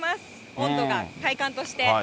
温度が、体感として。